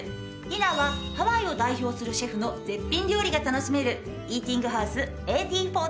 ディナーはハワイを代表するシェフの絶品料理が楽しめるイーティング・ハウス１８４９よ。